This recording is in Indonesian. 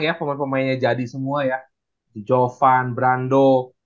ya pemain pemainnya jadi semua ya di jovan brando